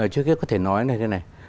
trước kia có thể nói như thế này